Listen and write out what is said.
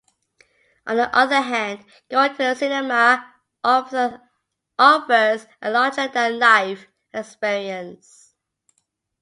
On the other hand, going to the cinema offers a larger-than-life experience.